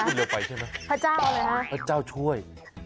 พระเจ้าอะไรนะพระเจ้าช่วย